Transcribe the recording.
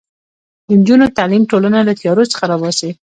د نجونو تعلیم ټولنه له تیارو څخه راباسي.